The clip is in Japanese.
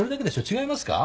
違いますか？